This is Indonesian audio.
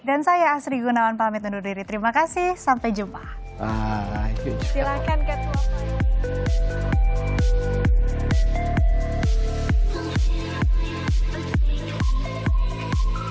dan saya asri gunawan pamit menduduri terima kasih sampai jumpa